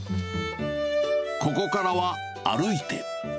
ここからは、歩いて。